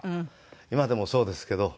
今でもそうですけど。